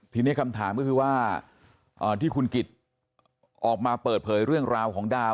ทีนี้คำถามก็คือว่าที่คุณกิจออกมาเปิดเผยเรื่องราวของดาว